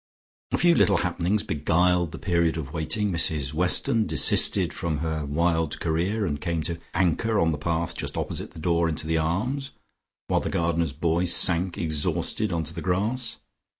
A few little happenings beguiled the period of waiting. Mrs Weston desisted from her wild career, and came to anchor on the path just opposite the door into the Arms, while the gardener's boy sank exhausted on to the grass.